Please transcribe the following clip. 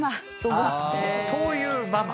そういうママ？